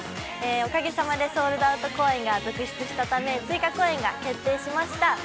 おかげさまで、ソールドアウト公演が続出したため、追加公演が決定しました！！